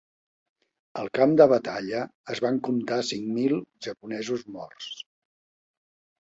Al camp de batalla es van comptar cinc mil japonesos morts.